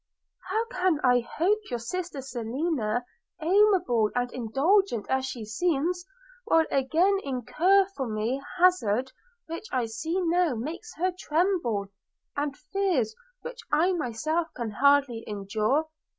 how can I hope your sister Selina, amiable and indulgent as she seems, will again incur, for me, hazard which I see now makes her tremble, and fears which I myself can hardly endure?